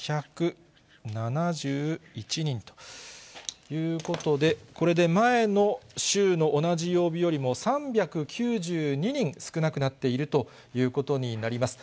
３２７１人ということで、これで前の週の同じ曜日よりも３９２人少なくなっているということになります。